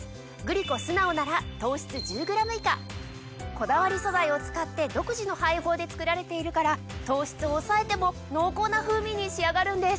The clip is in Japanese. こだわり素材を使って独自の配合で作られているから糖質を抑えても濃厚な風味に仕上がるんです！